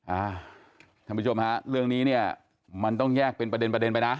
อ่าท่านผู้ชมฮะเรื่องนี้เนี่ยมันต้องแยกเป็นประเด็นประเด็นไปนะ